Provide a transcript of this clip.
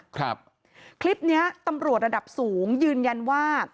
คลิปเนี้ยตำรวจระดับสูงยืนยันว่า